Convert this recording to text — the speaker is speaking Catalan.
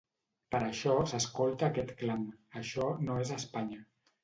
Per això s'escolta aquest clam: això no és Espanya.